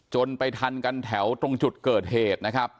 ไปทันกันแถวตรงจุดเกิดเหตุนะครับ